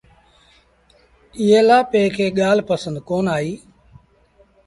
ايئي لآ پي کي ڳآج پنسند ڪونا آئيٚ۔